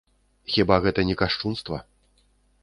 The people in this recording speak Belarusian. Хіба гэта не кашчунства?